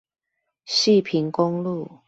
汐平公路